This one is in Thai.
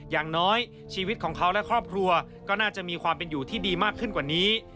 อย่างน้อยชีวิตของเขาและครอบครัวก็น่าจะมีความเป็นอยู่ที่ดีมากขึ้นกว่านี้